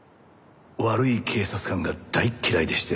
悪い警察官が大嫌いでして。